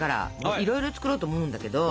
いろいろ作ろうと思うんだけど。